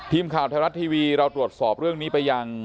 ทีมข่าวไทยรัฐทีวีเราตรวจสอบเรื่องนี้ไปยัง